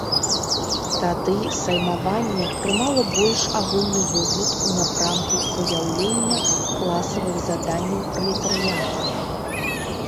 Тады саймаванне прымала больш агульны выгляд у напрамку выяўлення класавых заданняў пралетарыяту.